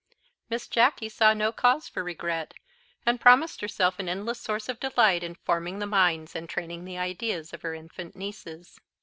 Miss Jacky saw no cause for regret, and promised herself an endless source of delight in forming the minds and training the ideas of her infant nieces.